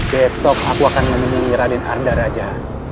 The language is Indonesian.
besok aku akan menemui raden ardaraja